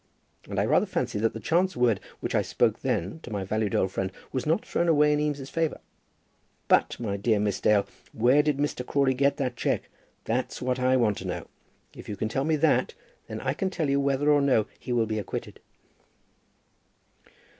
And I rather fancy that the chance word which I spoke then to my valued old friend was not thrown away in Eames's favour. But, my dear Miss Dale, where did Mr. Crawley get that cheque? That's what I want to know. If you can tell me that, then I can tell you whether or no he will be acquitted."